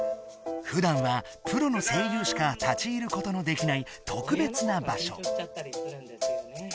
ふだんはプロの声優しか立ち入ることのできないとくべつなばしょ。